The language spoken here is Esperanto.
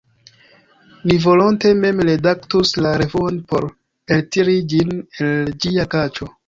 Ni volonte mem redaktus la revuon por eltiri ĝin el ĝia kaĉo.